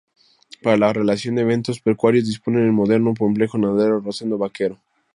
Para la realización de eventos pecuarios dispone del moderno complejo ganadero Rosendo Baquero.